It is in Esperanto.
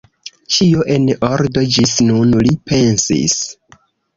Ĉio en ordo ĝis nun, li pensis.